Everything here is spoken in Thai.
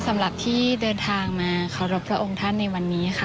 สำหรับที่เดินทางมาเคารพพระองค์ท่านในวันนี้ค่ะ